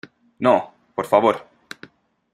no, por favor.